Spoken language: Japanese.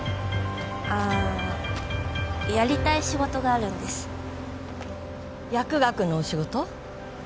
あやりたい仕事があるんです薬学の仕事？